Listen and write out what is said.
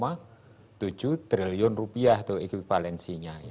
itu tujuh triliun rupiah itu ekvivalensinya